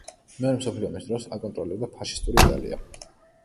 მეორე მსოფლიო ომის დროს აკონტროლებდა ფაშისტური იტალია.